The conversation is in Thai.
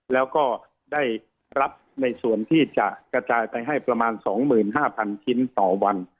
แล้วก็ได้รับในส่วนที่จะกระจายไปให้ประมาณ๒๕๐๐๐ชิ้นต่อวัน